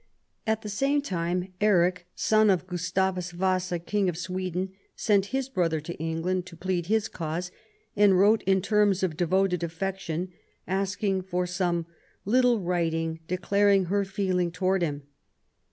'* At the same time, Eric, son of Gustavus Vasa, King of Sweden, sent his brother to England to plead his cause, and wrote in terms of devoted affection, asking for some little writing declaring her feelings towards him.